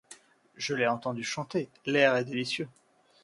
Je l’ai entendu chanter ; l’air est délicieux.